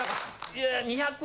いや２００